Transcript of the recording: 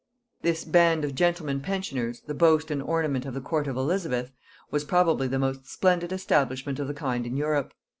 This band of gentlemen pensioners, the boast and ornament of the court of Elizabeth, was probably the most splendid establishment of the kind in Europe.